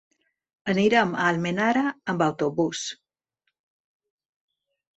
Anirem a Almenara amb autobús.